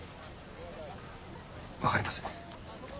分かりません。